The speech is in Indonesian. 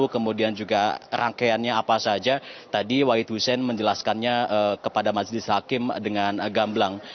kemudian juga rangkaiannya apa saja tadi wahid hussein menjelaskannya kepada majelis hakim dengan gamblang